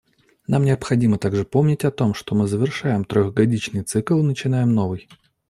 Нам необходимо также помнить о том, что мы завершаем трехгодичный цикл и начинаем новый.